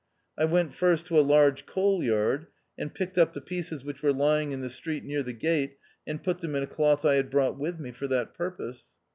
I went first to a large coal yard, and picked up the pieces which were lying in the street near the gate, and put them in a cloth I had brought with me for that pur pose.